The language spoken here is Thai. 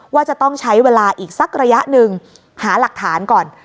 ว่าจะต้องใช้เวลาอีกสักระยะหนึ่งหาหลักฐานก่อน